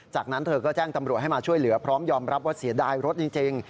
จากนั้นเธอก็แจ้งตำรวจให้มาช่วยเหลือพร้อมยอมรับว่าเสียดายรถจริง